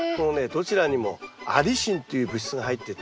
どちらにもアリシンという物質が入ってて。